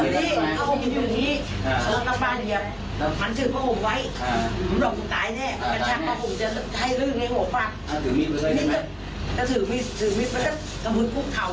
เราแยกได้เรากันถ้าให้เนี่ยเวิร์ดเนี่ยถ่วงแบป